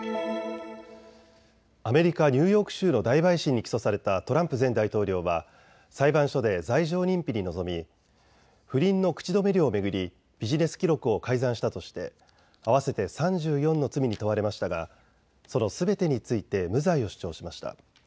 アメリカ・ニューヨーク州の大陪審に起訴されたトランプ前大統領は裁判所で罪状認否に臨み不倫の口止め料を巡りビジネス記録を改ざんしたとして合わせて３４の罪に問われましたがそのすべてについて無罪を主張しました。